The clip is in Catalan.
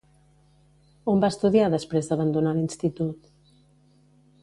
On va estudiar després d'abandonar l'institut?